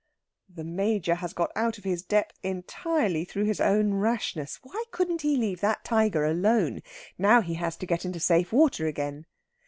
The Major has got out of his depth entirely through his own rashness. Why couldn't he leave that tiger alone? Now he has to get into safe water again.